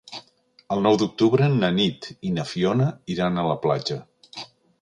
El nou d'octubre na Nit i na Fiona iran a la platja.